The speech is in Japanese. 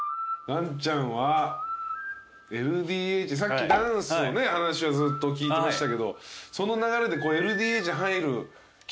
岩ちゃんはＬＤＨさっきダンスの話はずっと聞いてましたけどその流れで。